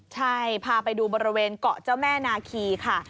ใช่พาไปดูบริเวณเกาะเจ้าแม่นาคีค่ะ